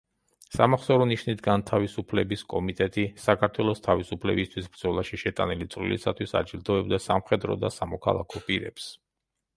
სამახსოვრო ნიშნით „განთავისუფლების კომიტეტი“ საქართველოს თავისუფლებისთვის ბრძოლაში შეტანილი წვლილისათვის აჯილდოებდა სამხედრო და სამოქალაქო პირებს.